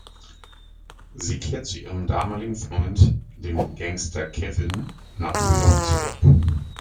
Sie kehrt zu ihrem damaligen Freund, dem Gangster Kevin, nach New York zurück.